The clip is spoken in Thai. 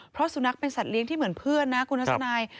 เพราะสุนัขเป็นสัตว์เลี้ยงที่เหมือนเพื่อนนะคุณทัศนัย